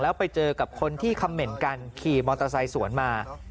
แล้วไปเจอกับคนที่คำเหม็นกันขี่มอเตอร์ไซค์สวนมา